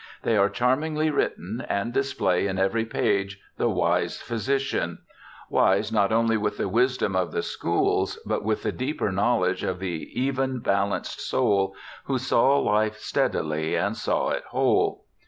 They are charmingly written and display in every page the wise physician ; wise not only with the wisdom of the schools, but with that deeper knowledge of the even balanced soul who * saw life steadily and saw it whole.'